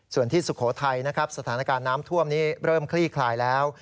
ส่วนที่สุโขทัยนะครับสถานการณ์น้ำท่วมนี้เริ่มคลี่คลายแล้ว